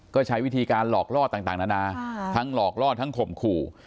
ก็ใช้วิธีการหลอกล่อต่างนานาทั้งหลอกล่อทั้งข่มขู่